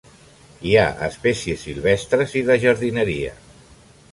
Hi ha espècies silvestres i de jardineria.